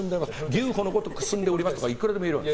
牛歩のごとく進んでおりますとかいくらでも言えるわけ。